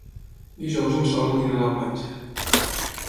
Dijous en Sol anirà a la platja.